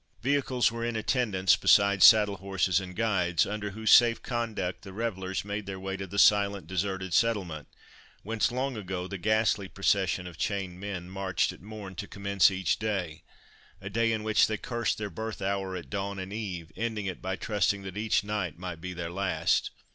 Vehicles were in attendance, besides saddle horses and guides, under whose safe conduct the revellers made their way to the silent, deserted settlement, whence long ago the ghastly procession of chained men marched at morn to commence each day—a day in which they cursed their birth hour at dawn and eve, ending it by trusting that each night might be their last.